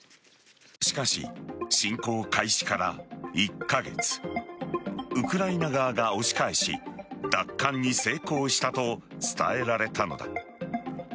しかし、侵攻開始から１カ月ウクライナ側が押し返し奪還に成功したと伝えられたのだ。